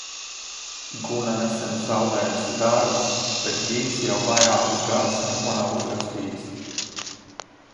Guna nesen zaudējusi darbu, bet Gints jau vairākus gadus neko nav uzrakstījis.